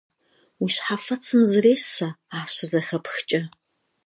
Уи щхьэфэцым зресэ, ар щызэхэпхкӀэ.